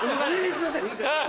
すいません。